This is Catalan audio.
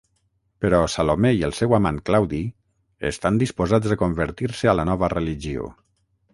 Però Salomé i el seu amant Claudi estan disposats a convertir-se a la nova religió.